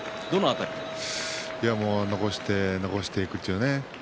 残して残していくというね。